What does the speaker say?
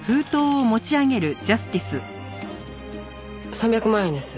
３００万円です。